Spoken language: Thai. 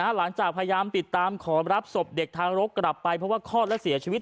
หลังจากพยายามติดตามขอรับศพเด็กทารกกลับไปเพราะว่าคลอดและเสียชีวิต